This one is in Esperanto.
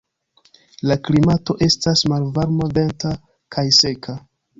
La klimato estas malvarma, venta kaj seka.